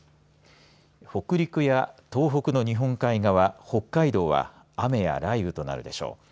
北陸や東北の日本海側北海道は雨や雷雨となるでしょう。